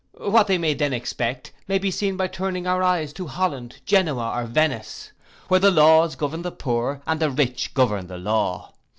What they may then expect, may be seen by turning our eyes to Holland, Genoa, or Venice, where the laws govern the poor, and the rich govern the law.